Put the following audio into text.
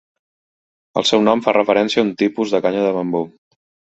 El seu nom fa referència a un tipus de canya de bambú.